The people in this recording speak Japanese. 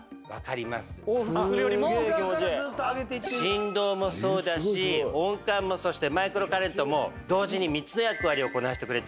振動もそうだし温感もそしてマイクロカレントも同時に３つの役割をこなしてくれちゃうの。